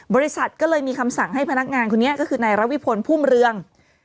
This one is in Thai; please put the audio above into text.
บริษัทก็เลยมีคำสั่งให้พนักงานคนนี้ก็คือนายระวิพลพุ่มเรือง